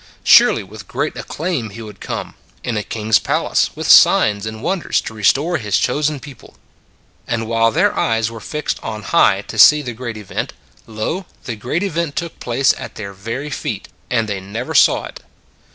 Surely with great acclaim He would come: in a King s palace, with signs and wonders to restore His chosen people. And while their eyes were fixed on high to see the great event, lo, the great event took place at their very feet; and they never saw it.